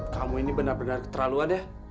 kamu ini benar benar keterlaluan ya